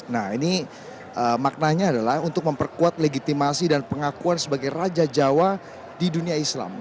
nah ini maknanya adalah untuk memperkuat legitimasi dan pengakuan sebagai raja jawa di dunia islam